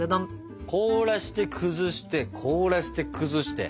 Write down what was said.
凍らして崩して凍らして崩して。